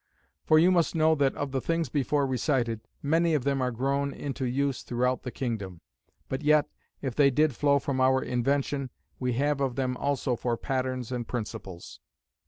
For you must know that of the things before recited, many of them are grown into use throughout the kingdom; but yet, if they did flow from our invention, we have of them also for patterns and principals.